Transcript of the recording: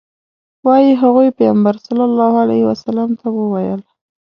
وایي هغوی پیغمبر صلی الله علیه وسلم ته وویل.